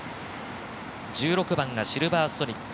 １６番がシルヴァーソニック。